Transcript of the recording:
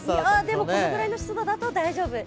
でも、このくらいの湿度だと大丈夫。